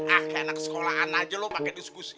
ah kayak anak sekolahan aja lu pake diskusi